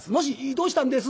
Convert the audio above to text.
どうしたんです？」。